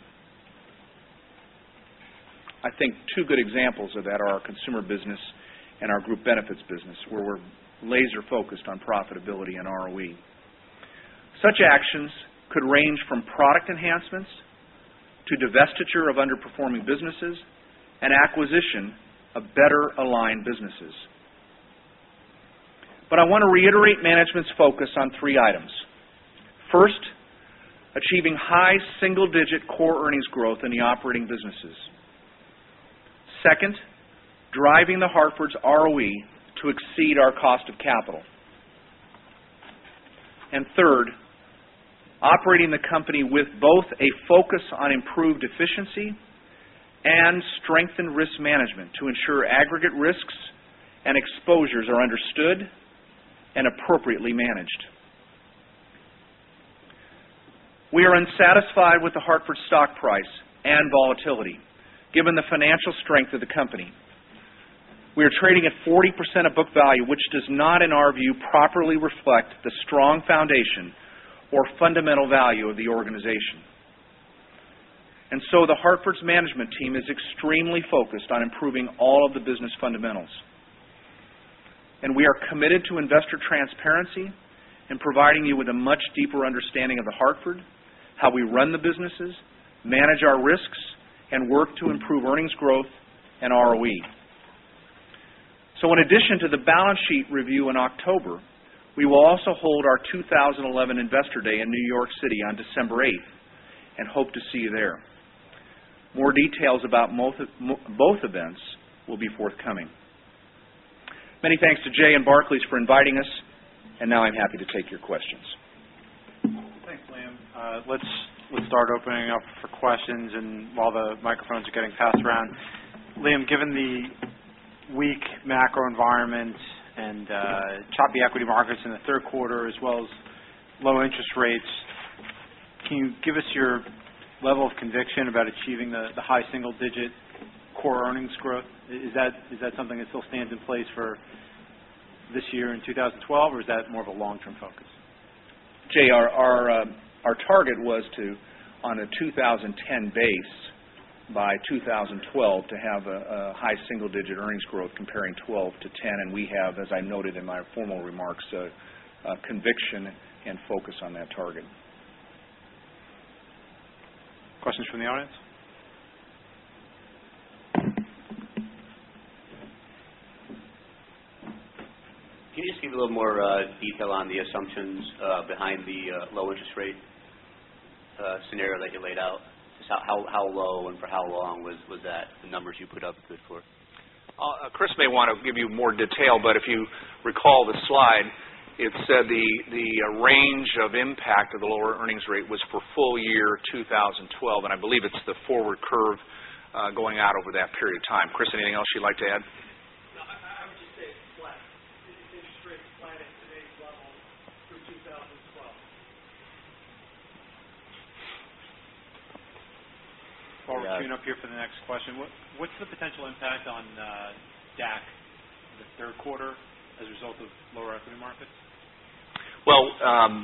I think two good examples of that are our consumer business and our group benefits business, where we're laser-focused on profitability and ROE. Such actions could range from product enhancements to divestiture of underperforming businesses and acquisition of better-aligned businesses. I want to reiterate management's focus on three items. First, achieving high single-digit core earnings growth in the operating businesses. Second, driving The Hartford's ROE to exceed our cost of capital. Third, operating the company with both a focus on improved efficiency and strengthened risk management to ensure aggregate risks and exposures are understood and appropriately managed. We are unsatisfied with The Hartford stock price and volatility, given the financial strength of the company. We are trading at 40% of book value, which does not, in our view, properly reflect the strong foundation or fundamental value of the organization. The Hartford's management team is extremely focused on improving all of the business fundamentals. We are committed to investor transparency and providing you with a much deeper understanding of The Hartford, how we run the businesses, manage our risks, and work to improve earnings growth and ROE. In addition to the balance sheet review in October, we will also hold our 2011 Investor Day in New York City on December 8th and hope to see you there. More details about both events will be forthcoming. Many thanks to Jay and Barclays for inviting us, now I'm happy to take your questions. Thanks, Liam. Let's start opening up for questions while the microphones are getting passed around. Liam, given the weak macro environment and choppy equity markets in the third quarter, as well as low interest rates, can you give us your level of conviction about achieving the high single-digit core earnings growth? Is that something that still stands in place for this year in 2012? Is that more of a long-term focus? Jay, our target was to, on a 2010 base, by 2012, to have a high single-digit earnings growth comparing '12 to '10. We have, as I noted in my formal remarks, a conviction and focus on that target. Questions from the audience? Can you just give a little more detail on the assumptions behind the low interest rate scenario that you laid out? Just how low and for how long was that, the numbers you put up good for? Chris may want to give you more detail, but if you recall the slide, it said the range of impact of the lower earnings rate was for full year 2012, and I believe it's the forward curve going out over that period of time. Chris, anything else you'd like to add? No, I would just say it's flat. The interest rates flatten at today's level through 2012. While we're queuing up here for the next question, what's the potential impact on DAC in the third quarter as a result of lower equity markets? Well,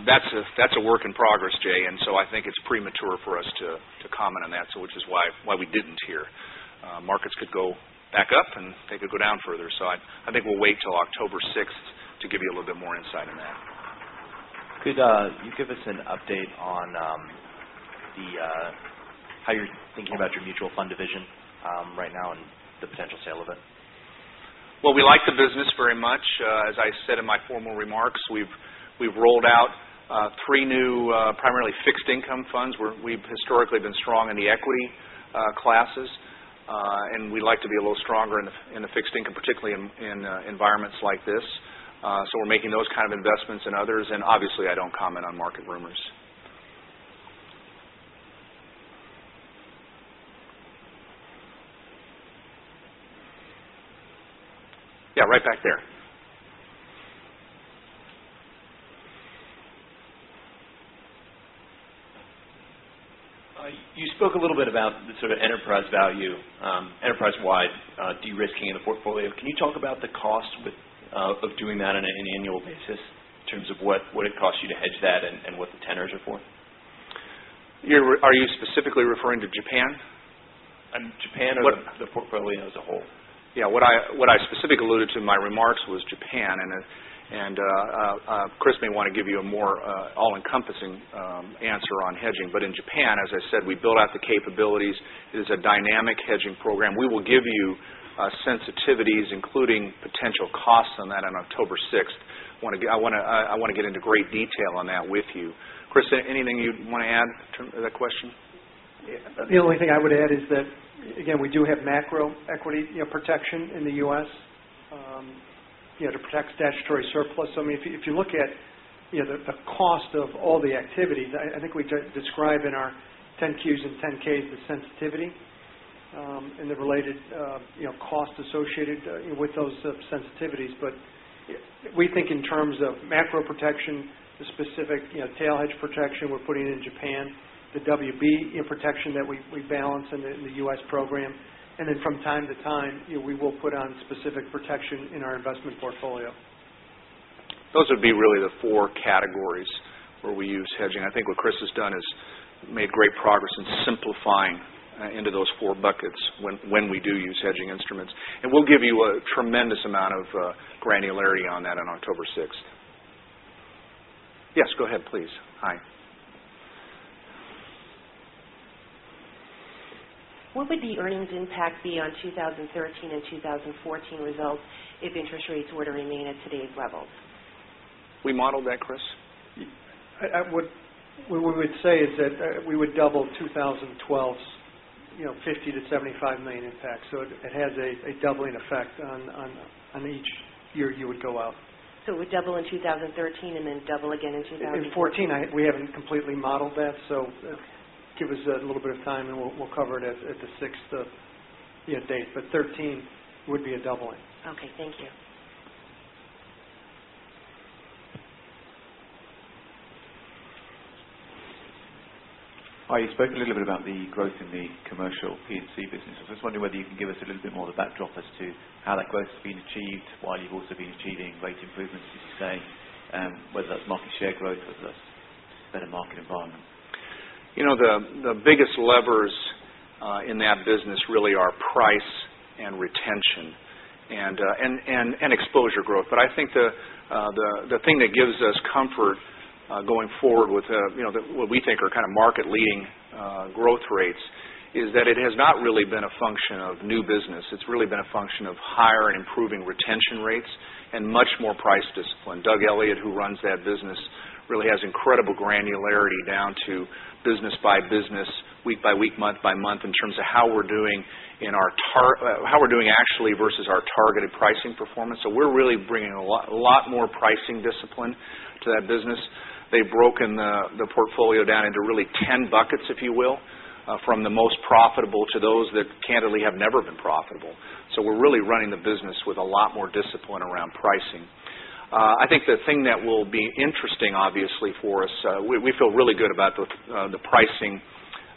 that's a work in progress, Jay, and so I think it's premature for us to comment on that, which is why we didn't here. Markets could go back up, and they could go down further. I think we'll wait till October 6th to give you a little bit more insight on that. Could you give us an update on how you're thinking about your mutual fund division right now and the potential sale of it? Well, we like the business very much. As I said in my formal remarks, we've rolled out three new primarily fixed income funds, where we've historically been strong in the equity classes. We like to be a little stronger in the fixed income, particularly in environments like this. We're making those kind of investments in others. Obviously, I don't comment on market rumors. Yeah, right back there. You spoke a little bit about the sort of enterprise value, enterprise-wide de-risking in the portfolio. Can you talk about the cost of doing that on an annual basis in terms of what it costs you to hedge that and what the tenors are for? Are you specifically referring to Japan? Japan or the portfolio as a whole. Yeah. What I specifically alluded to in my remarks was Japan, Chris may want to give you a more all-encompassing answer on hedging. In Japan, as I said, we built out the capabilities. It is a dynamic hedging program. We will give you sensitivities, including potential costs on that on October 6th. I want to get into great detail on that with you. Chris, anything you'd want to add to that question? The only thing I would add is that, again, we do have macro equity protection in the U.S. to protect statutory surplus. I mean, if you look at the cost of all the activities, I think we describe in our 10-Q and 10-K the sensitivity and the related cost associated with those sensitivities. We think in terms of macro protection, the specific tail hedge protection we're putting in Japan, the WB protection that we balance in the U.S. program. From time to time, we will put on specific protection in our investment portfolio. Those would be really the four categories where we use hedging. I think what Chris has done is made great progress in simplifying into those four buckets when we do use hedging instruments. We'll give you a tremendous amount of granularity on that on October 6th. Yes, go ahead, please. Hi. What would the earnings impact be on 2013 and 2014 results if interest rates were to remain at today's levels? We modeled that, Chris? What we would say is that we would double 2012's $50 million-$75 million impact. It has a doubling effect on each year you would go out. It would double in 2013 and then double again in 2014. In 2014, we haven't completely modeled that, so give us a little bit of time and we'll cover it at the 6th date. 2013 would be a doubling. Okay, thank you. You spoke a little bit about the growth in the Commercial P&C business. I'm just wondering whether you can give us a little bit more of the backdrop as to how that growth has been achieved, while you've also been achieving rate improvements, as you say, whether that's market share growth, whether that's better market environment. The biggest levers in that business really are price and retention and exposure growth. I think the thing that gives us comfort going forward with what we think are kind of market-leading growth rates is that it has not really been a function of new business. It's really been a function of higher and improving retention rates and much more price discipline. Douglas Elliot, who runs that business, really has incredible granularity down to business by business, week by week, month by month, in terms of how we're doing actually versus our targeted pricing performance. We're really bringing a lot more pricing discipline to that business. They've broken the portfolio down into really 10 buckets, if you will, from the most profitable to those that candidly have never been profitable. We're really running the business with a lot more discipline around pricing. I think the thing that will be interesting, obviously, for us, we feel really good about the pricing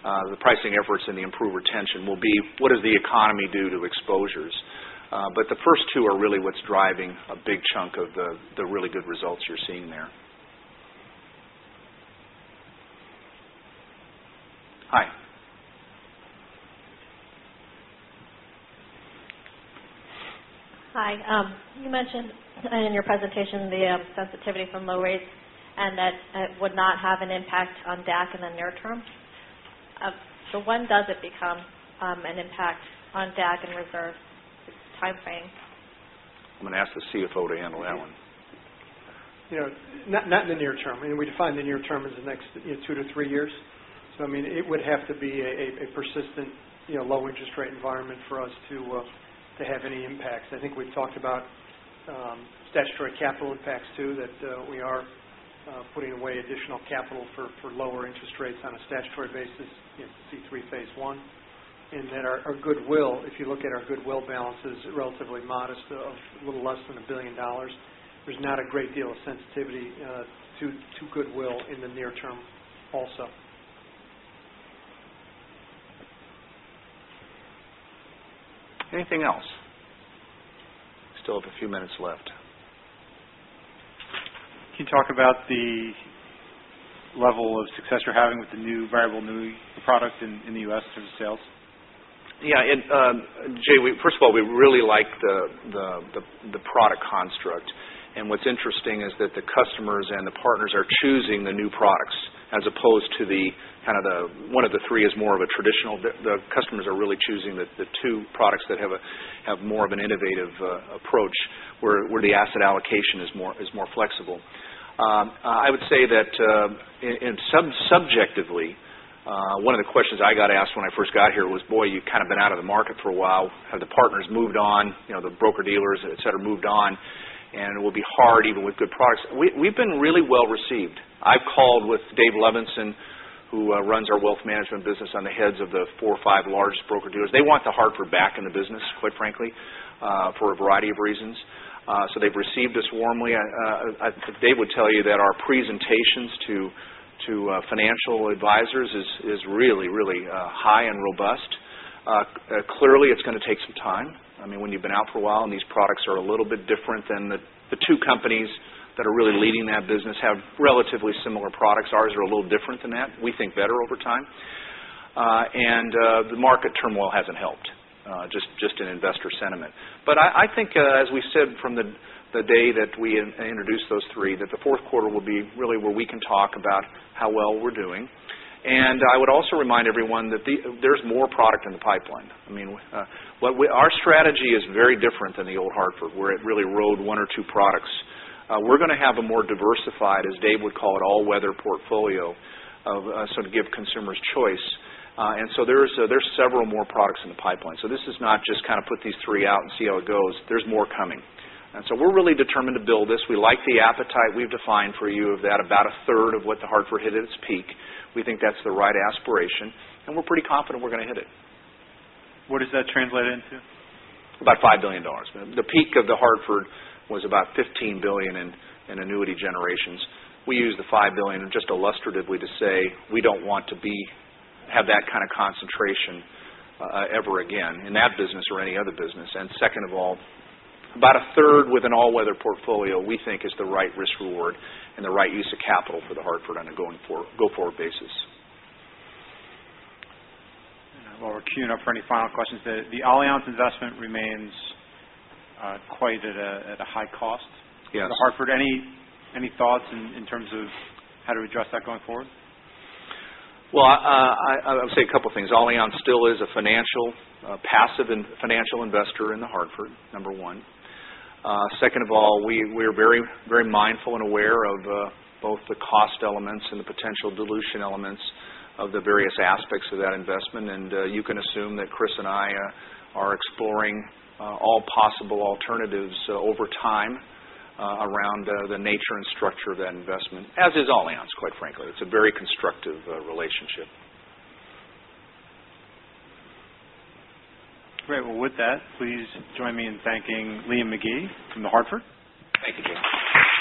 efforts and the improved retention, will be what does the economy do to exposures. The first two are really what's driving a big chunk of the really good results you're seeing there. Hi. Hi. You mentioned in your presentation the sensitivity from low rates and that it would not have an impact on DAC in the near term. When does it become an impact on DAC and reserve timeframe? I'm going to ask the CFO to handle that one. Not in the near term. We define the near term as the next 2-3 years. It would have to be a persistent low interest rate environment for us to have any impacts. I think we've talked about statutory capital impacts, too, that we are putting away additional capital for lower interest rates on a statutory basis, C3 Phase I. Our goodwill, if you look at our goodwill balances, relatively modest, of a little less than $1 billion. There's not a great deal of sensitivity to goodwill in the near term, also. Anything else? Still have a few minutes left. Can you talk about the level of success you're having with the new variable annuity product in the U.S. in terms of sales? Yeah. Jay, first of all, we really like the product construct. What's interesting is that the customers and the partners are choosing the new products as opposed to the kind of the one of the three is more of a traditional. The customers are really choosing the two products that have more of an innovative approach, where the asset allocation is more flexible. I would say that subjectively, one of the questions I got asked when I first got here was, "Boy, you've kind of been out of the market for a while. Have the partners moved on? The broker-dealers, et cetera, moved on? It will be hard even with good products." We've been really well-received. I've called with David Levenson, who runs our Wealth Management business on the heads of the four or five largest broker-dealers. They want The Hartford back in the business, quite frankly, for a variety of reasons. They've received us warmly. Dave would tell you that our presentations to financial advisors is really, really high and robust. Clearly, it's going to take some time. When you've been out for a while, these products are a little bit different than the two companies that are really leading that business have relatively similar products. Ours are a little different than that. We think better over time. The market turmoil hasn't helped, just in investor sentiment. I think as we said from the day that we introduced those three, that the fourth quarter will be really where we can talk about how well we're doing. I would also remind everyone that there's more product in the pipeline. Our strategy is very different than the old Hartford where it really rode one or two products. We're going to have a more diversified, as Dave would call it, all-weather portfolio to give consumers choice. There's several more products in the pipeline. This is not just kind of put these three out and see how it goes. There's more coming. We're really determined to build this. We like the appetite we've defined for you of that about a third of what The Hartford hit at its peak. We think that's the right aspiration, and we're pretty confident we're going to hit it. What does that translate into? About $5 billion. The peak of The Hartford was about $15 billion in annuity generations. We use the $5 billion just illustratively to say we don't want to have that kind of concentration ever again in that business or any other business. Second of all, about a third with an all-weather portfolio, we think is the right risk-reward and the right use of capital for The Hartford on a go-forward basis. While we're queuing up for any final questions, the Allianz investment remains quite at a high cost. Yes. The Hartford, any thoughts in terms of how to address that going forward? Well, I'll say a couple things. Allianz still is a passive financial investor in The Hartford, number one. Second of all, we are very mindful and aware of both the cost elements and the potential dilution elements of the various aspects of that investment, and you can assume that Chris and I are exploring all possible alternatives over time around the nature and structure of that investment, as is Allianz, quite frankly. It's a very constructive relationship. Great. Well, with that, please join me in thanking Liam McGee from The Hartford. Thank you, Jay.